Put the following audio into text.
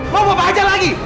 mau bapak ajar lagi